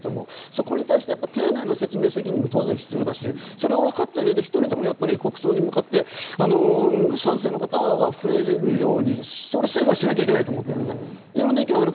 そこに対して丁寧な説明責任も必要だし、わかった上で１人でも国葬に向かって賛成の方が増えるように政府はしなきゃいけないと思ってるのね。